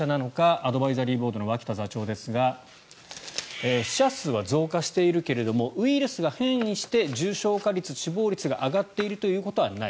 アドバイザリーボードの脇田座長ですが死者数は増加しているけれどもウイルスが変異して重症化率、死亡率が上がっているということはない。